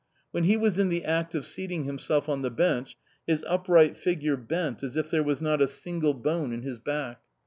When he was in the act of seating himself on the bench his upright figure bent as if there was not a single bone in his back.